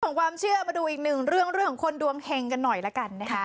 ของความเชื่อมดูอีกนึงเรื่องคนนดวงเฮ่งกันหน่อยนะครับ